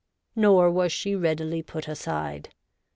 Nor was she readily nut aside.